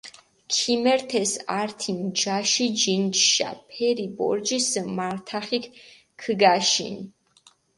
ქიმერთეს ართი ნჯაში ჯინჯიშა, ფერი ბორჯისჷ მართახიქჷ ქჷგაშინჷ.